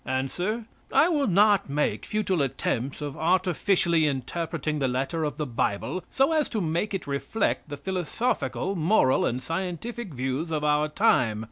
Answer. "I will not make futile attempts of artificially interpreting the letter of the Bible so as to make it reflect the philosophical, moral and scientific views of our time.